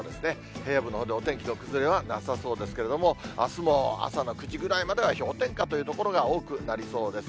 平野部のほうでお天気の崩れはなさそうですけれども、あすも朝の９時ぐらいまでは、氷点下という所が多くなりそうです。